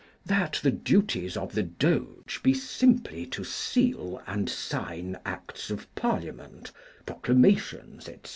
That the duties of the Doge be simply to seal and sign Acts of Parliament, proclamations, etc.